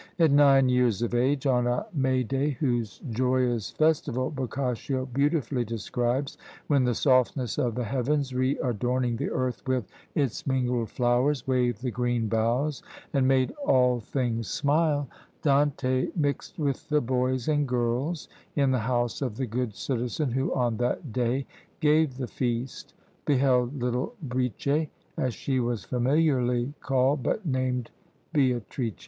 At nine years of age, on a May day, whose joyous festival Boccaccio beautifully describes, when the softness of the heavens, re adorning the earth with its mingled flowers, waved the green boughs, and made all things smile, Dante mixed with the boys and girls in the house of the good citizen who on that day gave the feast, beheld little Bricè, as she was familiarly called, but named Beatrice.